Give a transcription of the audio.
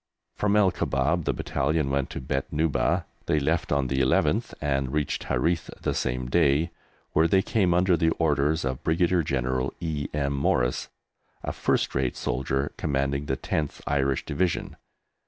From El Kubab the Battalion went to Beit Nuba. They left on the 11th, and reached Harith the same day, where they came under the orders of Brigadier General E. M. Morris, a first rate soldier commanding the 10th Irish Division.